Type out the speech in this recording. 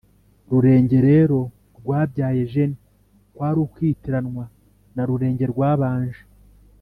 rurenge rero rwabyaye jeni, kwari ukwitiranwa na rurenge rwabanje.